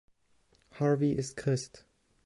Harvey ist Christ.